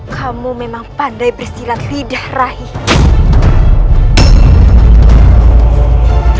kamu memang pandai bersilat lidah rakyat